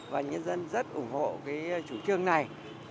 và nhân dân rất ủng hộ cái chủ trương này